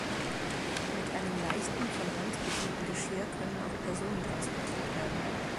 Mit einem leichten, von Hand bedienten Geschirr können auch Personen transportiert werden.